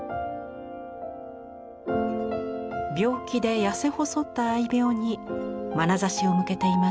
病気で痩せ細った愛猫にまなざしを向けています。